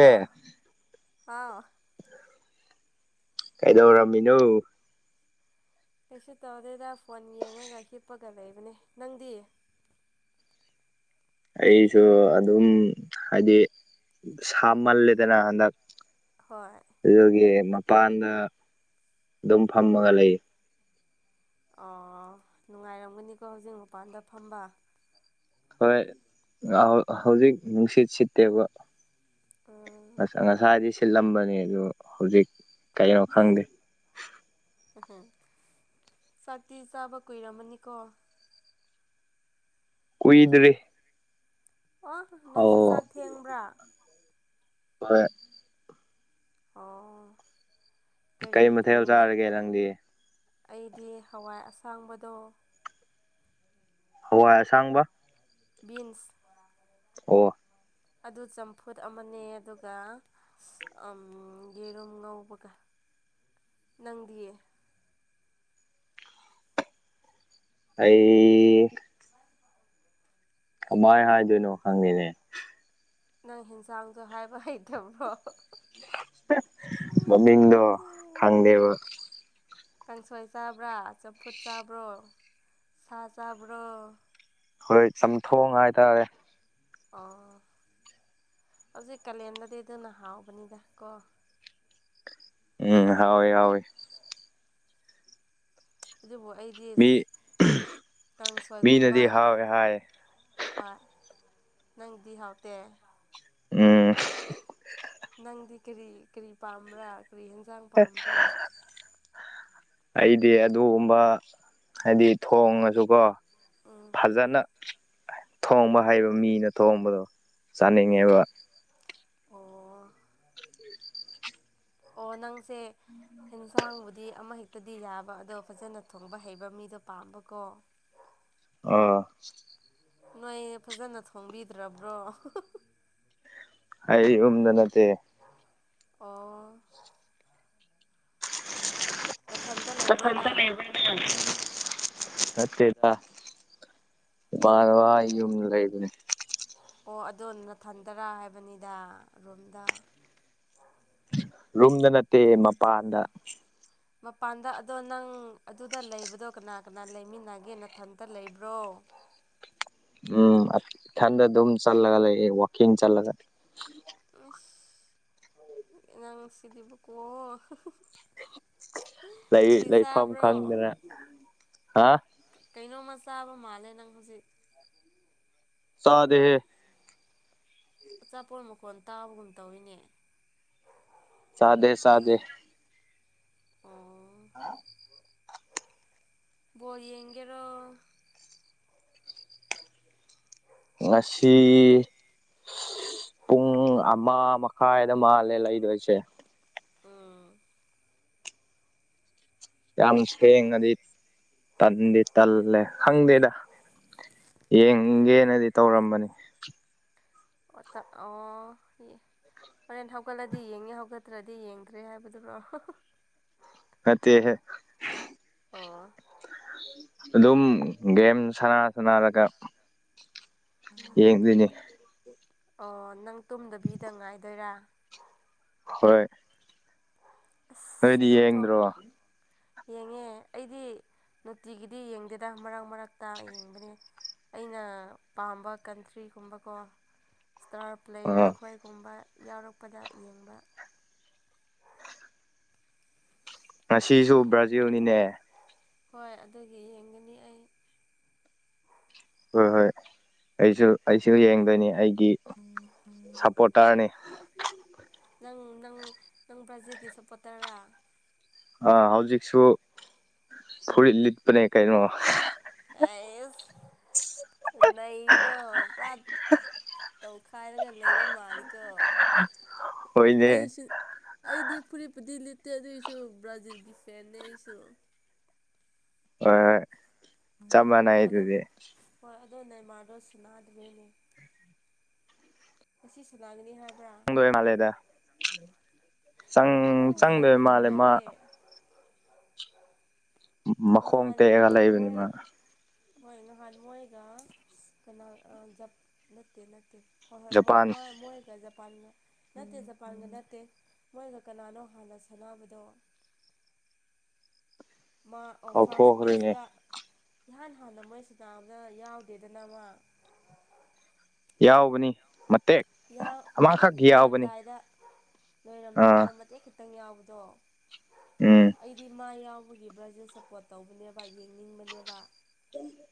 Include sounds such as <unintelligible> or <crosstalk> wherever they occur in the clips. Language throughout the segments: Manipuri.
ꯑꯦ ꯑꯥ ꯍꯥ ꯀꯥꯏꯗꯧꯔꯝꯃꯤꯅꯣ ꯀꯩꯁꯨ ꯇꯧꯗꯦꯗ ꯐꯣꯟ ꯌꯦꯡꯉꯒ ꯍꯤꯞꯄꯒ ꯂꯩꯕꯅꯦ ꯅꯪꯗꯤ ꯑꯩꯁꯨ ꯑꯗꯨꯝ ꯍꯥꯏꯗꯤ ꯁꯥꯃꯜꯂꯦꯗꯅ ꯍꯟꯗꯛ ꯍꯣꯏ ꯑꯗꯨꯒꯤ ꯃꯄꯥꯟꯗ ꯑꯗꯨꯝ ꯐꯝꯃꯒ ꯂꯩ ꯑꯣ ꯅꯨꯡꯉꯥꯏꯔꯝꯒꯅꯤꯀꯣ ꯍꯧꯖꯤꯛ ꯃꯄꯥꯟꯗ ꯐꯝꯕ ꯍꯣꯏ ꯍꯧꯖꯤꯛ ꯅꯨꯡꯁꯤꯠ ꯁꯤꯠꯇꯦꯕ ꯎꯝ ꯉꯁꯥꯏꯗꯤ ꯁꯤꯜꯂꯝꯕꯅꯦ ꯑꯗꯨ ꯍꯧꯖꯤꯛ ꯀꯩꯅꯣ ꯈꯪꯗꯦ ꯎꯍ ꯆꯥꯛꯇꯤ ꯆꯥꯕ ꯀꯨꯏꯔꯝꯃꯅꯤꯀꯣ ꯀꯨꯏꯗ꯭ꯔꯤ ꯑꯣ ꯑꯧ ꯅꯣꯏꯁꯨ ꯆꯥꯛ ꯊꯦꯡꯕ꯭ꯔꯥ ꯍꯣꯏ ꯑꯣ ꯀꯔꯤ ꯀꯩ ꯃꯊꯦꯜ ꯀꯔꯤ ꯆꯥꯔꯒꯦ ꯅꯪꯗꯤ ꯑꯩꯗꯤ ꯍꯋꯥꯏ ꯑꯁꯥꯡꯕꯗꯣ ꯍꯥ ꯋꯥꯏ ꯑꯥ ꯁꯥꯡꯕ ꯕꯤꯟꯁ ꯑꯣ ꯑꯗꯨ ꯆꯝꯐꯨꯠ ꯑꯃꯅꯦ ꯑꯗꯨꯒ ꯎꯝ ꯌꯦꯔꯨꯝ ꯉꯧꯕꯒ ꯅꯪꯗꯤꯌꯦ ꯑꯩ ꯍ ꯀꯃꯥꯏ ꯍꯥꯏꯗꯣꯏꯅꯣ ꯈꯪꯗꯦꯅꯦ ꯅꯪ ꯌꯦꯟꯁꯥꯡꯁꯨ ꯍꯥꯏꯕ ꯍꯩꯇꯕ꯭ꯔꯣ ꯃꯃꯤꯡꯗꯣ ꯈꯪꯗꯦꯕ ꯀꯥꯡꯁꯣꯏ ꯆꯥꯕ꯭ꯔꫭ ꯆꯝꯐꯨꯠ ꯆꯥꯕ꯭ꯔꯣ ꯁꯥ ꯆꯥꯕ꯭ꯔꯣ ꯍꯣꯏ ꯆꯝꯊꯣꯡ ꯍꯥꯏꯕꯥ ꯇꯥꯔꯦ ꯑꯣꯑꫭ ꯍꯧꯖꯤꯛ ꯀꯥꯂꯦꯟꯗꯗꯤ ꯑꯗꯨꯅ ꯍꯥꯎꯕꯅꯤꯗꯥ ꯀꯣ ꯎꯝꯝ ꯍꯥꯎꯋꯦ ꯍꯥꯎꯋꯦ ꯑꯗꯨꯕꯨ ꯑꯩꯗꯤ ꯃꯤ ꯀꯥꯡꯁꯣꯏꯒꯨꯝꯕꯥ ꯃꯤꯅꯗꯤ ꯍꯥꯎꯋꯦ ꯍꯥꯏ ꯍꯋꯥꯏ ꯅꯪꯗꯤ ꯍꯥꯎꯇꯦ ꯎꯝꯝ ꯅꯪꯗꯤ ꯀꯔꯤ ꯀꯔꯔꯤ ꯄꯥꯝꯕ꯭ꯔꯥ ꯀꯔꯤ ꯍꯦꯟꯖꯥꯡ ꯑꯎ ꯑꯩꯗꯤ ꯑꯗꯨꯒꯨꯝꯕꯥ ꯍꯥꯏꯗꯤ ꯊꯣꯡꯉꯥ ꯁꯨꯀꯣ ꯑꯝꯝ ꯐꯖꯅꯥ ꯊꯣꯡꯕ ꯍꯩꯕ ꯃꯤꯅ ꯊꯣꯡꯕꯗꯣ ꯆꯥꯅꯤꯡꯉꯦꯕꯥ ꯑꫭꯑꫭ ꯑꯣ ꯅꯪꯁꯦ ꯍꯦꯟꯁꯥꯡꯕꯨꯗꯤ ꯑꯃ ꯍꯦꯛꯇꯥ ꯇꯥꯗꯤ ꯌꯥꯕ ꯑꯗꯣ ꯐꯖꯅꯥ ꯊꯣꯡꯕ ꯍꯩꯕ ꯃꯤꯗꯣ ꯄꯥꯝꯕꯀꯣ ꯑꯣꯑꫭ ꯅꯣꯏ ꯐꯖꯅꯥ ꯊꯣꯡꯕꯤꯗ꯭ꯔ ꯕ꯭ꯔꯣ ꯑꯩ ꯔꯨꯝꯗꯥ ꯅꯠꯇꯦ ꯑꯣꯑꫭ ꯎ <unintelligible> ꯅꯊꯟꯇꯥ ꯂꯩ ꯅꯠꯇꯦꯗꯥ ꯎꯄꯥ ꯋꯥ ꯌꯨꯝ ꯂꯩꯕꯅꯤ ꯑꯣ ꯑꯗꫭ ꯅꯊꯟꯗꯔꯥ ꯍꯥꯏꯕꯅꯤꯗꯥ ꯔꯣꯨꯝꯗ꯫ ꯔꯨꯝꯗꯥ ꯅꯠꯇꯦ ꯃꯄꯥꯟꯗꯅꯤ꯫ ꯃꯄꯥꯟꯗꯥ ꯑꯗꯣ ꯅꯪ ꯑꯗꯨꯗ ꯂꯩꯕꯗꯣ ꯀꯅꯥ ꯀꯅꯥ ꯂꯩꯃꯤꯟꯅꯒꯦ ꯅꯊꯟꯇꯥ ꯂꯩꯕ꯭ꯔꯣ꯫ ꯎꯝ ꯏꯊꯟꯗ ꯑꯗꯨꯝ ꯆꯜꯂꯒ ꯂꯩꯌꯦ ꯋꯥꯛꯀꯤꯡ ꯆꯠꯂꯒꯥ꯫ ꯑꯥꯁ,,,, ꯅꯪ ꯁꯤꯗꯤ ꯕꯀꯣ꯫ ꯂꯩ ꯂꯩꯐꯝ ꯆꯥꯕ꯭ꯔꯣ ꯈꯪꯗꯥꯗꯅꯥ ꯍꯥꯍ ꯀꯩꯅꯣꯝꯃꯥ ꯆꯥꯕ ꯃꯥꯜꯂꯦ ꯅꯪ ꯍꯧꯖꯤꯛ꯫ ꯆꯥꯗꯦꯍꯦ ꯑꯆꯥꯄꯣꯠ ꯃꯈꯣꯟ ꯇꯥꯕꯒꯨꯝ ꯇꯧꯋꯤꯅꯦ꯫ ꯁꯥꯗꯗꯦ, ꯁꯥꯗꯗꯦ꯫ ꯑꯣꯑ ꯕꫭꯟ ꯌꯦꯒꯦꯔꯣ꯫ ꯉꯡꯁꯤ꯫ ꯄꯨꯡ ꯑꯃ ꯃꯈꯥꯏꯗꯥ ꯃꯥꯜꯂꯦ ꯂꯩꯗꯣꯏꯁꯤ꯫ ꯑꯝꯝꯝ ꯌꯥꯝ ꯊ°ꯡꯉꯗꯤ ꯇꯟꯗꯤ ꯇꯜꯂꯦ ꯈꯪꯗꯦꯗꯥ꯫ ꯌꯦꯡꯒꯦꯅꯥꯗꯤ ꯇꯧꯔꯝꯕꯅꯤ ꯫ ꯑꫭꯑꫭ ꯍꯣꯔꯦꯟ ꯍꯧꯒꯠꯂꯗꯤ ꯌꯦꯡꯉꯤ ꯍꯧꯒꯠꯇ꯭ꯔꯗꯤ ꯌꯦꯡꯗ꯭ꯔꯦ ꯍꯥꯏꯕꯗꯨꯔꯣ ꯍꯥꯍꯥ ꯃꯠꯇ° ꯍꯦ ꯑꫭꯑꫭ ꯑꯗꯨꯝ ꯒꯦꯝ ꯁꯥꯟꯅꯥ ꯁꯅꯔꯒꯥ꯫ ꯑꯝ ꯑꯝ ꯑꫭ ꯅꯪ ꯇꯨꯝꯗꯕꯤꯗ ꯉꯥꯏꯗꯣꯏꯔꯥ꯫ ꯍꯣꯏꯏꯏ ꯑꯥꯁ ꯇꯨꯝꯊꯣꯛ꯫ ꯌꯦꯡꯗ꯭ꯔꯣ ꯑ ꯌꯦꯡꯉꯦ ꯑꯩꯗꯤ ꯅꯨꯡꯇꯤꯒꯤꯗꯤ ꯌꯦꯡꯗꯦꯗꯥ ꯃꯔꯛ ꯃꯔꯛꯇ ꯌꯦꯡꯕꯅꯤ꯫ ꯑꯩꯅ ꯄꯥꯝꯕꯥ ꯀꯟꯇ꯭ꯔꯤꯒꯨꯝꯕ ꯀꯣ꯫ ꯏꯁꯇꯥꯔ ꯄ꯭ꯂꯦꯌꯔ ꯈꯣꯏꯒꯨꯝꯕꯗꯥ ꯌꯥꯎꯔꯛꯄꯗꯥ ꯌꯦꯡꯕꯥ꯫ ꯎꯝ ꯉꯁꯤꯁꯨ ꯕ꯭ꯔꯥꯖꯤꯜꯅꯤꯅꯦ ꯍꯣꯏ ꯑꯗꯨꯒꯤ ꯌꯦꯡꯒꯅꯤ ꯑꯩ ꯍꯣꯏ ꯍꯣꯏ ꯑꯩꯁꯨ ꯑꯩꯁꯨ ꯌꯦꯡꯗꯣꯏꯅꯤ ꯑꯩꯒꯤ ꯇꯨꯠꯇꯨꯠinaudible ꯁꯞꯄꯣꯔꯇꯔꯅꯤ ꯅꯪ ꯅꯪ ꯅꯪ ꯕ꯭ꯔꯖꯤꯜꯒꯤ ꯁꯄꯣꯔꯠ ꯇꯔꯥ ꯑꯥ ꯍꯧꯖꯤꯛꯁꯨ ꯐꯨꯔꯤꯠ ꯂꯤꯠꯄꯅꯦ ꯀꯩꯅꯣ ꯑꯥꯏꯁ ꯅꯩꯀꯣ ꯄꯔꯨꯋꯥ ꯇꯧꯈꯥꯏꯔꯒ ꯂꯩꯕ ꯃꯥꯜꯂꯤꯀꯣ ꯍꯣꯏꯅꯦ ꯑꯩꯁꯨ ꯑꯩꯗꯤ ꯐꯨꯔꯤꯠꯄꯨꯗꯤ ꯂꯤꯠꯇꯦ ꯑꯗꯨꯏꯁꯨ ꯕ꯭ꯔꯥꯖꯤꯜꯒꯤ ꯐꯦꯟꯅꯦ ꯑꯩꯁꯨ ꯍꯣꯏ ꯍꯣꯏ꯫ ꯆꯞ ꯑꯥ ꯃꯥꯟꯅꯩ ꯑꯗꯨ ꯑꯗꯨꯗꯤ ꯍꯣꯏ ꯑꯗꯣ ꯅꯦꯃꯥꯔꯗꯣ ꯁꯨꯟꯅꯥꯗꯕꯅꯦ ꯉꯁꯤ ꯁꯥꯟꯅꯥꯒꯅꯤ ꯍꯥꯏꯕ꯭ꯔꯥ ꯇꯣꯏꯃꯜꯅ ꯂꯦꯗ ꯆꯪ ꯋꯥꯎ ꯆꯪꯗꯣꯏꯕ ꯆꯪꯉꯗꯤ ꯃꯥꯜꯂꯦ ꯃꯥ ꯐꯔꯦ ꯃꯈꯣꯡ ꯅꯍꯥꯟ ꯇꯦꯛꯑꯒ ꯂꯩꯕꯅꯤ ꯃꯣꯏ ꯃꯥ ꯍꯣꯏ ꯅꯍꯥꯟ ꯃꯣꯏꯒ ꯀꯅꯥ ꯖꯞ ꯅꯠꯇꯦ ꯅꯠꯇꯦ ꯍꯣꯏ ꯍꯣꯏ ꯃꯣꯏ ꯖꯄꯥꯟ ꯃꯣꯏ ꯃꯣꯏꯒꯥꯖ ꯄꯥꯟꯒ ꯅꯠꯇꯦ ꯆꯖꯄꯥꯟꯒ ꯅꯠꯇꯦ ꯃꯣꯏꯒ ꯀꯅꯥꯅꯣ ꯍꯥꯟꯅ ꯁꯥꯟꯅꯕꯗꯣ ꯃꯥ ꯑꯣ ꯐꯥꯔꯁ ꯀꯥꯎꯊꯣꯛꯈ꯭ꯔꯦꯅꯦ ꯃꯦꯠꯁꯇ ꯏꯍꯥꯟ ꯍꯥꯟꯅ ꯃꯣꯏ ꯁꯥꯟꯅꯕꯗ ꯌꯥꯎꯗꯦꯗꯅ ꯃꯥ ꯌꯥꯎꯕꯅꯤ ꯃꯇꯦꯛ ꯑꯃꯈꯛꯀꯤ ꯌꯥꯎꯕꯅꯤ ꯗꯥꯏꯗ ꯑꯥ ꯂꯣꯏꯔꯝꯗꯥꯏꯗ ꯃꯇꯦꯛ ꯈꯤꯇꯪ ꯌꯥꯎꯕꯗꯣ ꯎꯝ ꯑꯩꯗꯤ ꯃꯥ ꯌꯥꯝ ꯑꯦ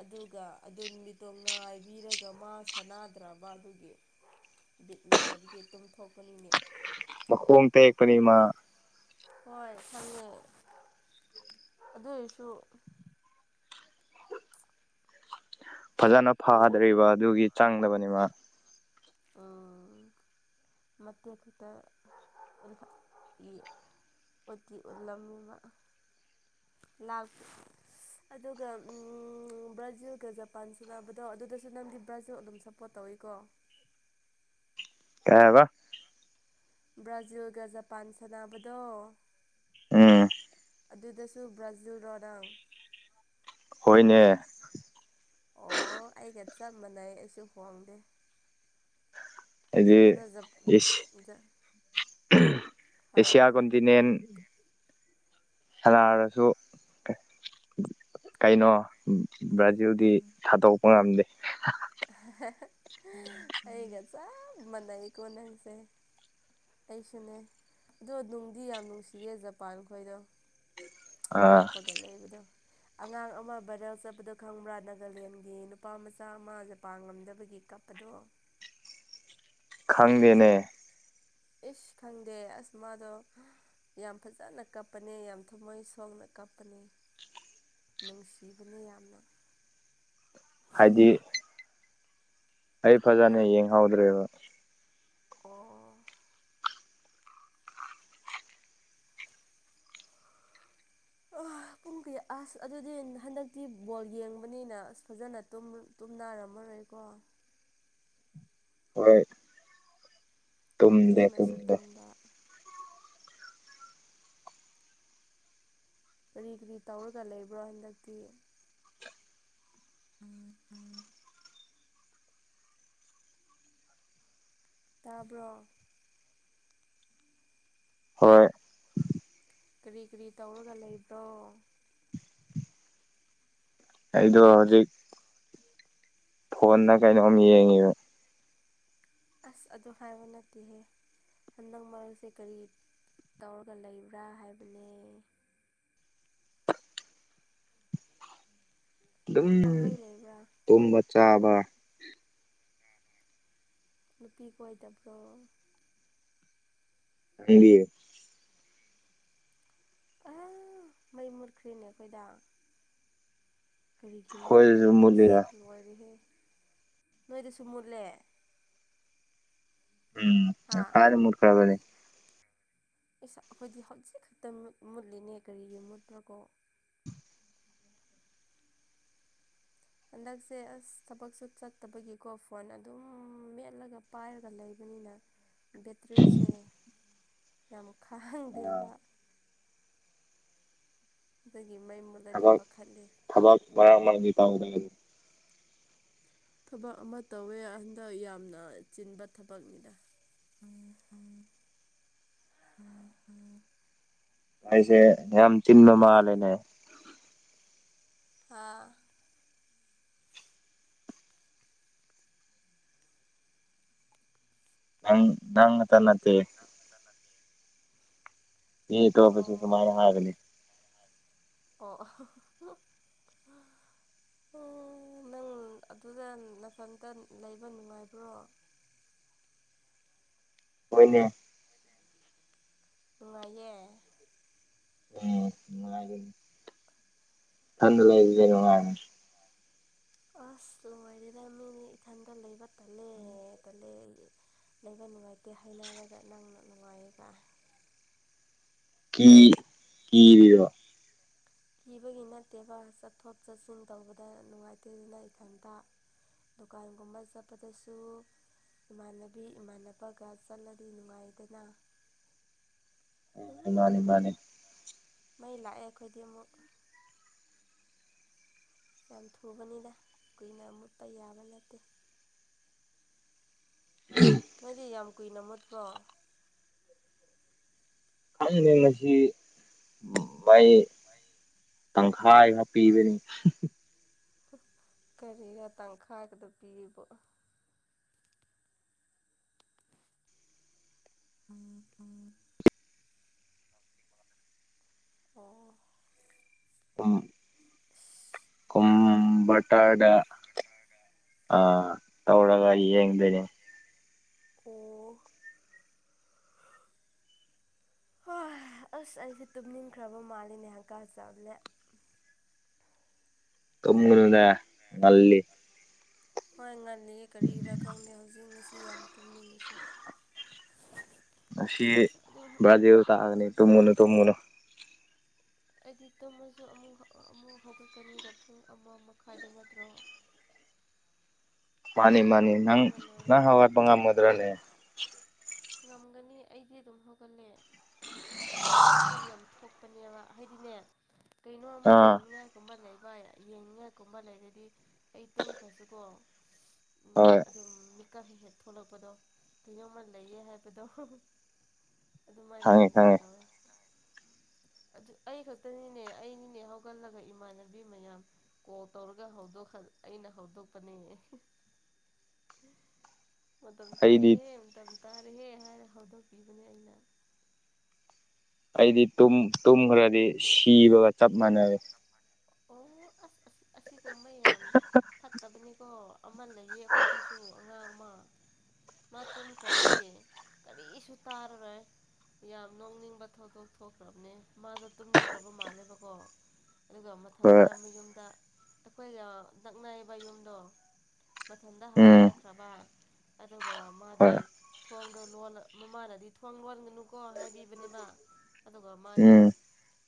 ꯑꯗꯨꯒ ꯑꯗꯨ ꯅꯨꯃꯤꯠꯇꯣ ꯉꯥꯏꯕꯤꯔꯒ ꯃꯥ ꯁꯥꯟꯅꯗ꯭ꯔꯕ ꯑꯗꯨꯒꯤ ꯕꯤꯠ ꯂꯩꯇꯕꯒꯤ ꯇꯨꯝꯊꯣꯛꯣꯛꯄꯅꯤꯅꯦ ꯃꯈꯣꯡ ꯇꯦꯛꯄꯅꯤꯃ ꯍꯣꯏ ꯈꯪꯉꯣ ꯑꯗꯨ ꯑꯣꯏꯁꯨ ꯐꯖꯅ ꯌꯦꯡ ꯐꯗꯔꯤꯕ ꯑꯗꯨꯒꯤ ꯆꯪꯗꯕꯅꯤꯃ ꯎꯝ ꯃꯇꯦꯛ ꯈꯤꯇꯥ ꯑꯣꯏꯅ ꯏ ꯎꯠꯇꯤ ꯎꯜꯂꯝꯕ ꯂꯥꯎ ꯁ ꯎꯝ ꯑꯗꯨꯒ ꯕ꯭ꯔꯥꯖꯤꯜꯒ ꯖꯄꯥꯟ ꯁꯥꯟꯅꯕꯗꯣ ꯑꯗꯨꯗꯁꯨ ꯅꯪꯗꯤ ꯕ꯭ꯔꯥꯖꯤꯜ ꯑꯗꯨꯝ ꯁꯄ ꯄꯣꯠ ꯇꯧꯏꯀꯣ ꯀꯩ ꯍꯥꯏꯕꯥ ꯕ꯭ꯔꯥꯖꯤꯜꯒ ꯖꯄꯥꯟ ꯁꯥꯟꯅꯕꯗꯣ ꯎꯝ ꯑꯗꯨꯗꯁꯨ ꯕ꯭ꯔꯥꯖꯤꯜ ꯔꯣ ꯅꯪ ꯍꯣꯏꯅꯦ ꯑꯣ ꯑꯩꯒ ꯆꯞ ꯃꯥꯟꯅꯩ ꯑꯩꯁꯨ ꯍꯣꯡꯗꯦ ꯑꯗ ꯖꯞ ꯑꯗꯨꯗꯤꯁ ꯖ ꯍꯥꯏꯔꯣ ꯑꯦꯁꯤꯌꯥ ꯍꯥꯏꯔꯣ ꯀꯣꯟꯇꯤꯅꯦꯟꯠ ꯁꯅꯥꯔꯁꯨ ꯀꯩꯅꯣ ꯕ꯭ꯔꯥꯖꯤꯜꯗꯤ ꯊꯥ ꯑꯍꯥ ꯍꯥ ꯑꯩꯒ ꯆꯞ ꯃꯥꯟꯅꯩꯀꯣ ꯅꯪꯁꯦ ꯑꯩꯁꯨꯅꯦ ꯑꯗꯣ ꯅꯨꯡꯗꯤ ꯌꯥꯝ ꯅꯨꯡꯁꯤꯌꯦ ꯖꯄꯥꯟ ꯈꯣꯏꯗꯣ ꯑꯥ ꯀꯞꯄꯒ ꯂꯩꯕꯗꯣ ꯑꯉꯥꯡ ꯑꯃ ꯕꯥꯏꯔꯦꯜ ꯆꯠꯄꯗꯣ ꯈꯪꯕ꯭ꯔꯥ ꯅꯥꯒꯥꯂꯦꯟꯒꯤ ꯅꯨꯄꯥ ꯃꯆꯥ ꯑꯃ ꯖꯄꯥꯟ ꯉꯝꯗꯕꯒꯤ ꯀꯞꯄꯗꯣ ꯈꯪꯗꯦꯅꯦ ꯏꯁ ꯈꯪꯗꯦ ꯑꯁ ꯃꯥꯗꯣ ꯌꯥꯝ ꯐꯖꯅ ꯀꯞꯄꯅꯦ ꯌꯥꯝ ꯊꯃꯣꯏ ꯁꯣꯛꯅ ꯀꯞꯄꯅꯦ ꯅꯨꯡꯁꯤꯕꯅꯦ ꯌꯥꯝꯅ ꯍꯥꯏꯗꯤ ꯑꯩ ꯐꯖꯅ ꯕ꯭ꯔ ꯌꯦꯡꯍꯧꯗ꯭ꯔꯦꯕ ꯑꯣ <inaudible> ꯑ ꯄꯨꯡ ꯀꯌꯥ ꯑꯁ ꯑꯗꯨꯗꯤ ꯍꯟꯗꯛꯇꯤ ꯕꯣꯜ ꯌꯦꯡꯕꯅꯤꯅ ꯑꯁ ꯐꯖꯅ ꯇꯨꯝ ꯇꯨꯝꯅꯥꯔꯝꯃꯔꯣꯏꯀꯣ ꯍꯣꯏ ꯇꯨꯝꯗꯦ ꯊꯦꯡꯅꯁꯨ ꯇꯨꯝꯗꯦ ꯇꯨꯝꯕ ꯀꯔꯤ ꯀꯔꯤ ꯇꯧꯔꯒ ꯂꯦꯕ꯭ꯔꯣ ꯍꯟꯗꯛꯇꯤ ꯎꯝ ꯎꯝ ꯇꯥꯕ꯭ꯔꯣ ꯍꯣꯏ ꯀꯔꯤ ꯀꯔꯤ ꯇꯧꯔꯒ ꯂꯩꯕ꯭ꯔꯣ ꯑꯩꯗꯣ ꯍꯧꯖꯤꯛ ꯐꯣꯟꯗ ꯀꯩꯅꯣꯝ ꯌꯦꯡꯉꯤꯕ ꯑꯁ ꯑꯗꯣ ꯍꯥꯏꯕ ꯅꯠꯇꯦꯍꯦ ꯍꯟꯗꯛ ꯃꯔꯛꯁꯦ ꯀꯔꯤ ꯇꯧꯔꯒ ꯂꯩꯕ꯭ꯔꯥ ꯍꯥꯏꯕꯅꯦ ꯗꯨꯝ ꯑꯗꯨꯝ ꯄꯪꯂꯩ ꯂꯩꯕ꯭ꯔꯥ ꯇꯨꯝꯕ ꯆꯥꯕ ꯅꯨꯄꯤ ꯀꯣꯏꯗꯕ꯭ꯔꯣ ꯍꯪꯗꯤ ꯑ ꯃꯩ ꯃꯨꯔꯈ꯭ꯔꯤꯅꯦ ꯑꯩꯈꯣꯏꯗꯥ꯫ ꯀꯔꯤꯒꯤ ꯑꯩꯈꯣꯏꯗꯁꯨ ꯃꯨꯠꯄ꯭ꯔꯅꯦ ꯑꯁ ꯃꯨꯠꯂꯤꯗ ꯂꯣꯏꯔꯦꯍꯦ ꯅꯣꯏꯗꯁꯨ ꯃꯨꯠꯂꯦ꯫ ꯎꯝ ꯍꯥ ꯉꯁꯥꯢꯅ ꯃꯨꯠꯈ꯭ꯔꯥꯕꯅꯦ꯫ ꯑꯁ ꯑꯈꯣꯏꯗꯤ ꯍꯧꯖꯤꯛ ꯈꯛꯇ ꯃꯨꯠ ꯃꯨꯠꯂꯤꯅꯦ ꯀꯔꯤꯒꯤ ꯃꯨꯠꯄ꯭ꯔꯥꯀꯣ꯫ ꯍꯟꯗꯛꯁꯦ ꯑꯁ ꯊꯕꯛꯁꯨ ꯆꯠꯇꯕꯒꯤꯀꯣ ꯐꯣꯟ ꯑꯗꯨꯝ ꯃꯦꯠꯂꯒ ꯄꯥꯏꯔꯒ ꯂꯩꯕꯅꯤꯅ꯫ ꯕꯦꯇ꯭ꯔꯤꯁꯦ ꯌꯥꯝ ꯑꯥ ꯈꯥꯡꯗꯦꯕ꯫ ꯗꯨꯒꯤ ꯃꯩ ꯃꯨꯠꯂꯗꯤ ꯄꯥꯈꯠꯂꯦ꯫ ꯊꯕꯥꯛ ꯃꯔꯥꯡ ꯃꯥꯡꯗꯦ ꯇꯧꯗ <unintelligible> ꯊꯕꯛ ꯑꯃ ꯇꯧꯋꯦ ꯍꯟꯗꯛ ꯌꯥꯝꯅ ꯆꯤꯟꯕ ꯊꯕꯛꯅꯤꯗ꯫ ꯑꯥꯢꯁꯦ ꯌꯥꯝ ꯆꯤꯟꯕ ꯃꯥꯜꯂꯦꯅꯦ꯫ ꯍꯥꯥ꯫ ꯅꯪ ꯅꯪ ꯒꯇ ꯅꯠꯇꯦ꯫ ꯇꯤ ꯇꯣꯄꯁꯨ ꯑꯣ ꯁꯨꯃꯥꯏꯅ ꯍꯥꯏꯕꯅꯦ꯫ ꯑꯣ <unintelligible> ꯎ ꯅꯪ ꯑꯗꯨꯗ ꯅꯊꯟꯇ ꯂꯩꯕ ꯅꯨꯡꯉꯥꯏꯕ꯭ꯔꯣ꯫ ꯍꯣꯏꯅꯦ꯫ ꯅꯨꯉꯥꯢꯌꯦ꯫ ꯎꯝ ꯅꯨꯡꯉꯥꯏꯅꯤ ꯊꯟꯗ ꯂꯩꯩꯕꯖꯦ ꯅꯨꯡꯉꯥꯏꯕ <inaudible> ꯑꯁ ꯂꯣꯏꯔꯦꯗ ꯃꯤꯗꯤ ꯏꯊꯟꯗ ꯂꯩꯕ ꯇꯜꯂꯦ ꯇꯜꯂꯦ ꯂꯩꯕ ꯅꯨꯡꯉꯥꯏꯇꯦ ꯍꯥꯏꯅꯔꯒ ꯅꯪꯅ ꯅꯨꯡꯉꯥꯏꯌꯦ ꯀꯥꯏ꯫ ꯀꯤ ꯀꯤꯔꯤꯔꯣ꯫ ꯀꯤꯕꯒꯤ ꯅꯠꯇꯦꯕ ꯆꯠꯊꯣꯛ ꯆꯠꯁꯤꯟ ꯇꯧꯕꯗ ꯅꯨꯡꯉꯥꯏꯇꯦꯗꯅ ꯏꯊꯟꯇ꯫ ꯗꯨꯀꯥꯟꯒꯨꯝꯕ ꯆꯠꯄꯗꯁꯨ꯫ ꯏꯃꯥꯟꯅꯕꯤ ꯏꯃꯥꯟꯅꯕꯒ ꯆꯠꯂꯗꯤ ꯅꯨꯡꯉꯥꯏꯗꯅ꯫ ꯃꯥꯅꯤ ꯑꯣ ꯃꯥꯅꯤ ꯃꯩ ꯂꯥꯛꯑꯦ ꯑꯩꯈꯣꯏꯗꯤ ꯑꯃꯨꯛ ꯌꯥꯝ ꯊꯨꯕꯅꯤꯗ ꯀꯨꯏꯅ ꯃꯨꯠꯄ ꯌꯥꯕ ꯅꯠꯇꯦ <inaudible> ꯅꯣꯏꯗꯤ ꯌꯥꯝ ꯀꯨꯏꯅ ꯃꯨꯠꯄ꯭ꯔꯣ ꯈꯪꯅ ꯉꯁꯤ ꯃꯥꯏ ꯇꯪ ꯈꯥꯏ ꯈ ꯄꯤꯕꯅꯤ ꯀꯔꯤꯒ ꯇꯪꯈꯥꯏꯒꯗ ꯄꯤꯕ ꯎꯝ ꯎ ꯑꯣ ꯀꯝꯕꯇꯥꯔ ꯀꯋꯇꯥꯥꯔꯗ ꯑ ꯇꯧꯒꯔꯤ ꯌꯦꯡꯗꯅꯦ ꯑꯣ ꯍꯣꯏ ꯑꯁ ꯑꯩꯁꯦ ꯇꯨꯝꯅꯤꯡꯈ꯭ꯔꯕ ꯃꯥꯜꯂꯤꯦꯅꯦ ꯍꯪꯀꯥ ꯆꯂꯦ ꯇꯨꯝꯕꯗꯨꯅ ꯉꯜꯂꯤ ꯍꯣꯏ ꯉꯜꯂꯤ ꯀꯔꯤꯔꯥ ꯈꯪꯗꯦ ꯍꯧꯖꯤꯛ ꯉꯁꯤ ꯌꯥꯝ ꯇꯨꯝꯅꯤꯡꯉꯤꯁꯦ ꯉ ꯑꯁ ꯑꯗꯣ ꯕ꯭ꯔꯥꯖꯦꯜ ꯇꯥꯛꯑꯒꯅꯤ ꯇꯨꯝꯃꯨꯅ ꯇꯨꯝꯃꯨꯅꯨ ꯑꯩꯗꯤ ꯇꯣꯝꯃꯁꯨ ꯑꯃꯨꯛ ꯑꯃꯨꯛ ꯍꯧꯒꯠꯀꯅꯤꯗ ꯄꯨꯡ ꯑꯃ ꯃꯈꯥꯏꯗ ꯅꯠꯇ꯭ꯔꯣ ꯃꯥꯅꯤ ꯑꯂꯥꯔꯝ ꯃꯥꯅꯤ ꯅꯪ ꯊꯝꯂꯒ ꯂꯣꯏꯔꯦ ꯅꯪ ꯍꯋꯥꯏ ꯐꯉꯝ ꯃꯗ꯭ꯔꯥꯅꯦ ꯉꯝꯒꯅꯤ ꯑꯩꯗꯤ ꯑꯗꯨꯝ ꯍꯧꯒꯠꯂꯦ ꯑꯩ ꯃꯤꯀꯞ ꯌꯥꯝ ꯊꯣꯛꯄꯅꯦꯕ ꯍꯥꯏꯗꯤꯅꯦ ꯀꯩꯅꯣ ꯑꯃ ꯑꯥ ꯇꯧꯅꯤꯉꯥꯏ ꯀꯨꯝꯕ ꯂꯩꯕ ꯌꯦꯡꯅꯤꯡꯉꯥꯏ ꯀꯨꯝꯕ ꯂꯩꯔꯗꯤ ꯑꯩ ꯇꯨꯝꯈ꯭ꯔꯁꯨꯀꯣ ꯍꯣꯏ ꯑꯗꯨꯝ ꯃꯤꯀꯛ ꯍꯦꯛ ꯍꯦꯛ ꯊꯣꯛꯂꯛꯄꯗꯣ ꯀꯩꯅꯣꯝꯃ ꯂꯩꯌꯦ ꯍꯥꯏꯕꯗꯣ ꯑꯗꯨꯃꯥꯏꯅ ꯈꯪꯉꯦ ꯍꯦꯛ ꯍꯦꯛ ꯈꯪꯉꯦ ꯇꯧꯋꯦ ꯑꯗꯨ ꯑꯩ ꯈꯛꯇꯅꯤꯅꯦ ꯑꯩꯅꯤꯅꯦ ꯍꯧꯒꯠꯂꯒ ꯏꯃꯥꯟꯅꯕꯤ ꯃꯌꯥꯝ ꯀꯣꯜ ꯇꯧꯔꯒ ꯍꯧꯗꯣꯛꯍꯟ ꯑꯩꯅ ꯍꯧꯗꯣꯛꯄꯅꯦ ꯃꯇꯝ ꯑꯩꯗꯤ ꯇꯥꯔꯦꯍꯦ ꯃꯇꯝ ꯇꯥꯔꯦꯍꯦ ꯍꯥꯏꯔ ꯍꯧꯗꯣꯛꯄꯤꯕꯅꯦ ꯑꯩꯅ ꯑꯩꯗꯤ ꯇꯨꯝ ꯇꯨꯝꯈ꯭ꯔꯗꯤ ꯁꯤꯕꯒ ꯆꯞ ꯃꯥꯟꯅꯔꯦ ꯑꯣ ꯑꯁ ꯑꯁ ꯑꯁꯤꯀꯨꯝꯕ ꯌꯥꯝ ꯐꯠ ꯐꯠꯇꯕꯅꯦꯀꯣ ꯑꯃ ꯂꯩꯌꯦ ꯑꯩꯈꯣꯏꯗꯁꯨ ꯑꯉꯥꯡ ꯑꯃ ꯃꯥ ꯇꯨꯝꯈ꯭ꯔꯗꯤ ꯀꯔꯤꯁꯨ ꯇꯥꯔꯔꯣꯏ ꯌꯥꯝ ꯅꯣꯛꯅꯤꯡꯕ ꯊꯧꯗꯣꯛ ꯊꯣꯛꯈ꯭ꯔꯕꯅꯦ ꯃꯥꯗꯣ ꯇꯨꯝꯅꯤꯡꯈ꯭ꯔꯕ ꯃꯥꯜꯂꯦꯕꯀꯣ ꯑꯗꯨꯒ ꯍꯣꯏ ꯃꯊꯟꯇ ꯃꯌꯨꯝꯗ ꯑꯩꯈꯣꯏꯒ ꯅꯛꯅꯩꯌꯦꯕ ꯌꯨꯝꯗꯣ ꯃꯊꯟꯇ ꯍꯥꯟꯅ ꯎꯝ ꯆꯠꯈ꯭ꯔꯕ ꯑꯗꯨꯒ ꯍꯣꯏ ꯃꯥꯗꯤ ꯊꯣꯡꯗꯣ ꯂꯣꯜꯂ ꯃꯃꯥꯗꯗꯤ ꯊꯣꯡ ꯂꯣꯟꯒꯅꯨꯀꯣ ꯍꯥꯏꯕꯤꯕꯅꯦꯕ ꯑꯗꯨꯒ ꯃꯥꯗꯤ ꯎꯝ